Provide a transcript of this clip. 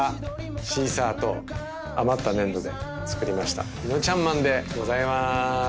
シーサーと余った粘土で作りましたいのちゃんまんでございまーす。